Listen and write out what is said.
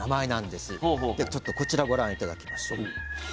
ではちょっとこちらご覧頂きましょう。